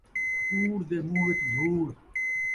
کوڑ دے مون٘ہہ وِچ دھوڑ